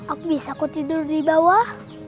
aku bisa aku tidur di bawah